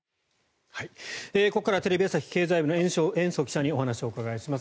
ここからはテレビ朝日経済部の延増記者にお話をお伺いします。